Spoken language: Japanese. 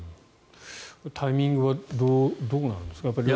タイミングはどうなんですか。